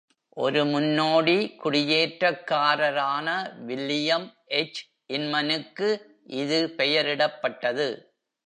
ஒரு முன்னோடி குடியேற்றக்காரரான William H. இன்மனுக்கு இது பெயரிடப்பட்டது.